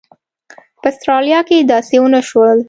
په اسټرالیا کې داسې ونه شول.